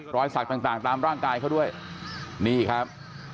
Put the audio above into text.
รอยสักต่างตามร่างกายเขาด้วยนี่ครับ